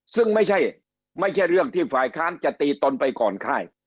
ซึ่งไม่ใช่เรื่องที่ฝ่ายค้านจะตีตนไปก่อนค่าย